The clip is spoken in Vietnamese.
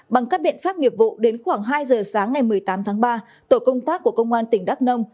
bằng các biện pháp nghiệp vụ đến khoảng hai giờ sáng ngày một mươi tám tháng ba tổ công tác của công an tỉnh đắk nông